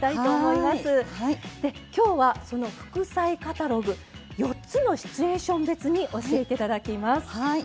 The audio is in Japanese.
で今日はその「副菜カタログ」４つのシチュエーション別に教えていただきます。